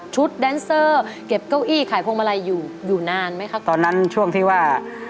แดนเซอร์เก็บเก้าอี้ขายพวงมาลัยอยู่อยู่นานไหมครับตอนนั้นช่วงที่ว่า